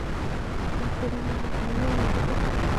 په بڼ کې ونې د مڼو، ناروغې